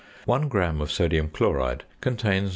One gram of sodium chloride contains 0.